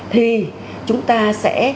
thì chúng ta sẽ